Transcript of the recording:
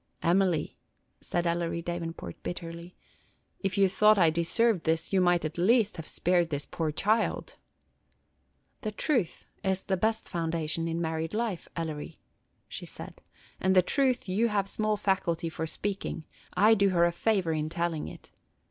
"Emily," said Ellery Davenport, bitterly, "if you thought I deserved this, you might, at least, have spared this poor child." "The truth is the best foundation in married life, Ellery," she said, "and the truth you have small faculty for speaking. I do her a favor in telling it.